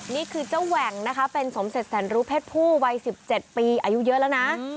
นี่คือเจ้าแหว่งนะคะเป็นสมเสร็จแสนรู้เพศผู้วัย๑๗ปีอายุเยอะแล้วนะ